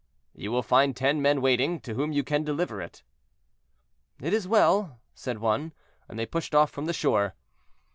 "You will find ten men waiting, to whom you can deliver it." "It is well," said one, and they pushed off from the shore.